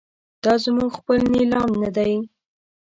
دا زموږ خپل نیلام نه دی.